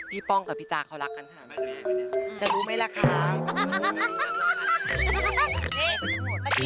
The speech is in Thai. พี่ฟองกับพี่จากเขารักกันดี